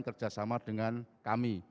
kerjasama dengan kami